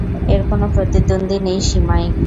এর কোনো প্রতিদ্বন্দ্বী নেই সীমায়!